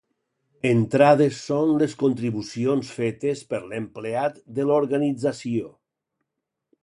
Entrades són les contribucions fetes per l'empleat de l'organització.